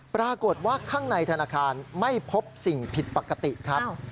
ปรากฏว่าข้างในธนาคารไม่พบสิ่งผิดปกติครับ